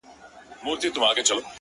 • خلک هر څه کوي خو هر څه نه وايي ,